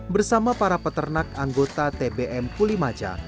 bersama para peternak anggota tbm kulimaca